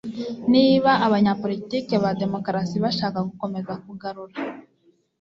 Niba abanyapolitiki ba demokarasi bashaka gukomeza kugarura